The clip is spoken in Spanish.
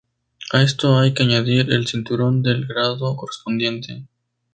A esto hay que añadir el cinturón del grado correspondiente.